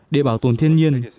để bảo tồn thiên nhiên